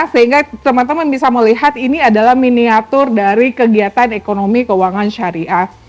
sehingga teman teman bisa melihat ini adalah miniatur dari kegiatan ekonomi keuangan syariah